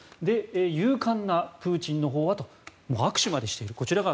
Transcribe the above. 勇敢なプーチンのほうは握手までしている。